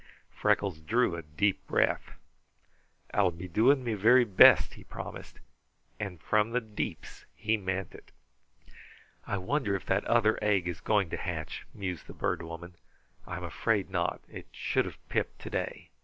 Freckles drew a deep breath. "I'll be doing me very best," he promised, and from the deeps he meant it. "I wonder if that other egg is going to hatch?" mused the Bird Woman. "I am afraid not. It should have pipped today.